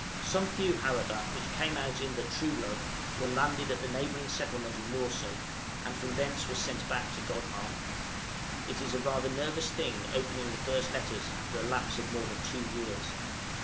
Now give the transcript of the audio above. Some few, however, which came out in the 'Truelove,' were landed at the neighboring settlement of Noursoak, and from thence were sent back to Godhavn. It is rather a nervous thing opening the first letters after a lapse of more than two years.